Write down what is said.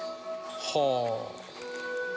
「はあ」